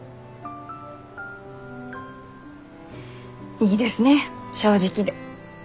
いいですね正直で。